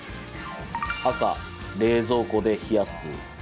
赤・冷蔵庫で冷やす。